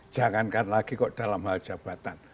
jangankan lagi kok dalam hal jabatan